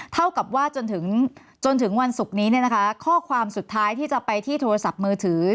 เท่ากับว่าจนถึงจนถึงวันศุกร์นี้เนี่ยนะคะข้อความสุดท้ายที่จะไปที่โทรศัพท์มือถือ